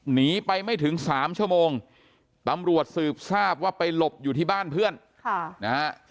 หนีไปไม่ถึงสามชั่วโมงตำรวจสืบทราบว่าไปหลบอยู่ที่บ้านเพื่อนค่ะนะฮะ